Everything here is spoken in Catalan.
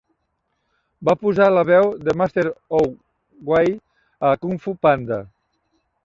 Va posar la veu de Master Oogway a "Kung Fu Panda".